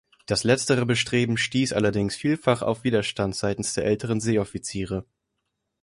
Das letztere Bestreben stieß allerdings vielfach auf Widerstand seitens der älteren Seeoffiziere.